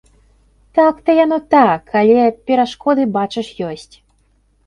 Так то яно так, але перашкоды, бачыш, ёсць.